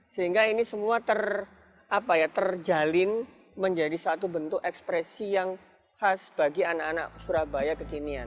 sehingga ini semua terjalin menjadi satu bentuk ekspresi yang khas bagi anak anak surabaya kekinian